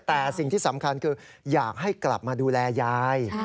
แต่สิ่งที่สำคัญคืออยากให้กลับมาดูแลยาย